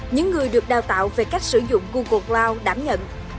những người được đào tạo về cách sử dụng google cloud đảm nhận